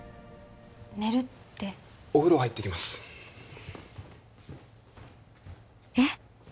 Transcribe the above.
寝るってお風呂入ってきますえっ